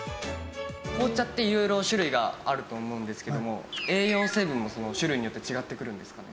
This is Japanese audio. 紅茶って色々種類があると思うんですけども栄養成分も種類によって違ってくるんですかね？